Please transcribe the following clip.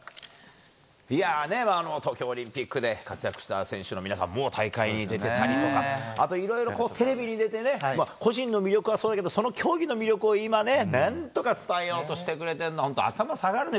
東京オリンピックで活躍した選手の皆さん、もう大会に出てたりとかあといろいろテレビに出て個人の魅力はそうだけど競技の魅力を何とか伝えようとしてくれてるの頭が下がるね。